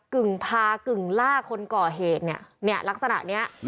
กึ่งพากึ่งล่าคนก่อเหตุเนี่ยเนี่ยลักษณะเนี้ย